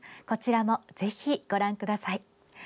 こちらもぜひ、ご覧ください。